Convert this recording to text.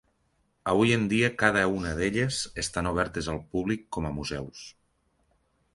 Avui en dia cada una d'elles estan obertes al públic com a museus.